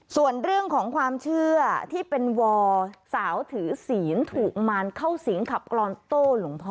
ส่วนเรื่องของความเชื่อที่เป็นวอสาวถือศีลถูกมารเข้าสิงขับกรอนโต้หลวงพ่อ